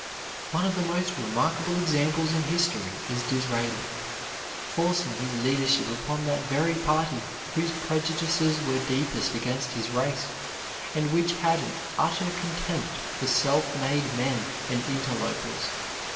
One of the most remarkable examples in history is Disraeli, forcing his leadership upon that very party whose prejudices were deepest against his race, and which had an utter contempt for self made men and interlopers.